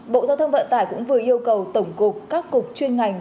bộ giao thông vận tải cũng vừa yêu cầu tổng cục các cục chuyên ngành